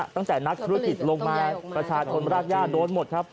นักธุรกิจลงมาประชาชนรากย่าโดนหมดครับ